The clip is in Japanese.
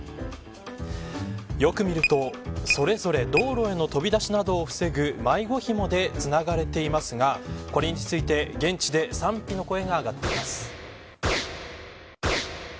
よく見るとそれぞれ道路への飛び出しなどを防ぐ迷子ひもでつながれていますがこれについて現地で賛否の声が上がってます。